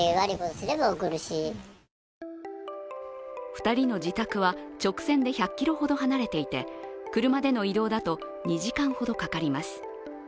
２人の自宅は直線で１００ｋｍほど離れていて車での移動だと２時間ほどかかります。